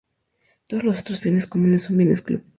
Todos los otros bienes comunes son Bienes club.